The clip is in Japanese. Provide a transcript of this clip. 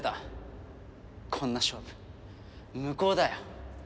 こんな勝負無効だよ。